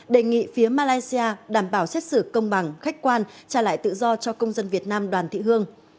đề nghị phía malaysia đảm bảo xét xử công bằng khách quan trả lại tự do cho công dân việt nam đoàn thị hương